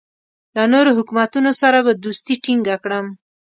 له نورو حکومتونو سره به دوستي ټینګه کړم.